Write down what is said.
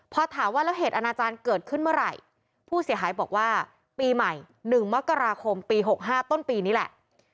พอถามว่าแล้วเหตุอนาจารย์เกิดขึ้นเมื่อไหร่ผู้เสียหายบอกว่าปีใหม่๑มกราคมปี๖๕ต้นปีนี้แหละ